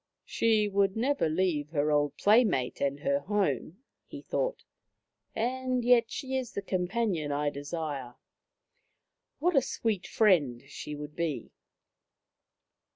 " She would never leave her old playmate and her home," he thought, " and yet she is the com panion I desire. What a sweet friend she would be."